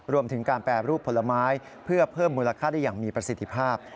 รวมถึงการแปรรูปผลไม้เพื่อเพิ่มมูลค่าได้อย่างมีประสิทธิภาพ